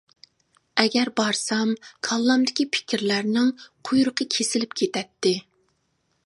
ئەگەر بارسام، كاللامدىكى پىكىرلەرنىڭ «قۇيرۇقى كېسىلىپ» كېتەتتى.